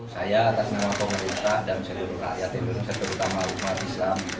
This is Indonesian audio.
saya atas nama pemerintah dan seluruh rakyat indonesia terutama umat islam